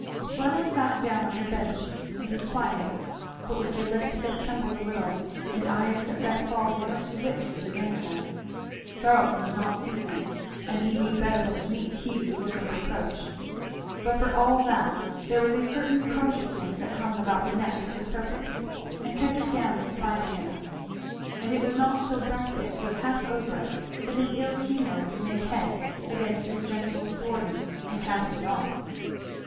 Fleda sat down on her bench and was quiet, but with a lip that trembled a little and eyes that let fall one or two witnesses against him. Charlton did not see them, and he knew better than to meet Hugh's look of reproach. But for all that there was a certain consciousness that hung about the neck of his purpose and kept it down in spite of him; and it was not till breakfast was half over that his ill humour could make head against this gentle thwarting and cast it off.